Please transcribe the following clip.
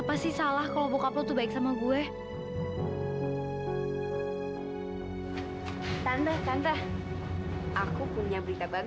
masalahnya itu bukan sekali atau dua kali lang